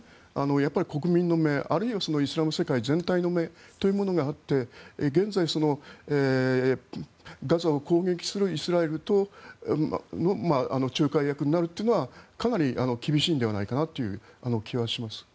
やっぱり国民の目あるいはイスラム世界全体の目というものがあって現在、ガザを攻撃するイスラエルと仲介役になるというのはかなり厳しいのではないかなという気はします。